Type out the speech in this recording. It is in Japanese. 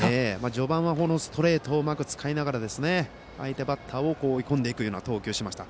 序盤はストレートをうまく使いながら相手バッターを追い込んでいく投球をしました。